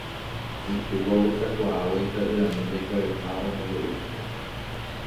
Itúva ohechakuaávo ita'yrami ndoikuaaiha omombe'u chupe.